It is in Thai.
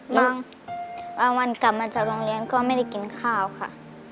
บางวันกลับมาจากโรงเรียนก็ไม่ได้กินข้าวค่ะ